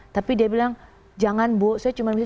tapi dia bilang jangan bu saya cuma bisa